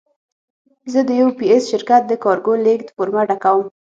زه د یو پي ایس شرکت د کارګو لېږد فورمه ډکوم.